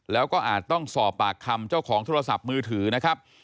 แล้วก็อาจต้องสอบปากคำเจ้าของโทรศัพท์มือถือนะครับ